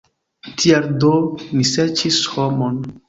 Tial do ni serĉis homon.